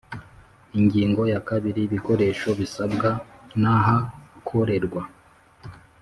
Ingingo ya kabiri Ibikoresho bisabwa n ahakorerwa